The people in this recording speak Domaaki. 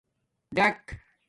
ڈک